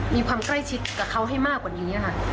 มีความใกล้ชิดกับเขาให้มากกว่านี้ค่ะ